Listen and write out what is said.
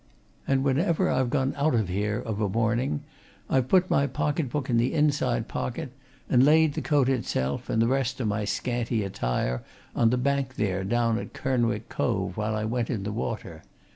And whenever I've gone out here of a morning, I've put my pocket book in the inside pocket, and laid the coat itself and the rest o' my scanty attire on the bank there down at Kernwick Cove while I went in the water.